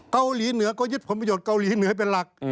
เกาหลีเหนือก็ยึดผลประโยชน์เกาหลีเหนือเป็นหลัก